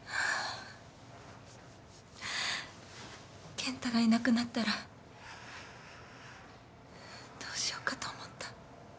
健太がいなくなったらどうしようかと思った。